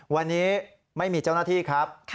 วันนี้ไม่มีเจ้าหน้าที่ครับ